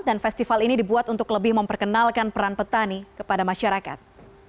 dan festival ini dibuat untuk lebih memperkenalkan peran petani kepada masyarakat